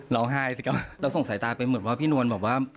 ร้องไห้สิครับแล้วส่งสายตาไปเหมือนพี่นวลบอกว่า